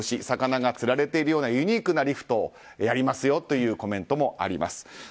魚が釣られているようなユニークなリフトをやりますよというコメントもあります。